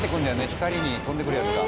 光に飛んでくるやつだ。